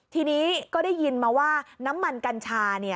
ทีนี้ก็ได้ยินมาว่าน้ำมันกัญชา